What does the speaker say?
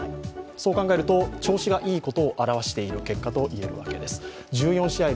そう考えると、調子がいいことを表している結果と言えるわけです。